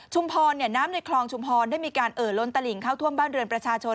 พรน้ำในคลองชุมพรได้มีการเอ่อล้นตลิงเข้าท่วมบ้านเรือนประชาชน